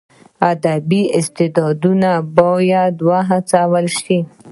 ادبي استعداد باید وهڅول سي.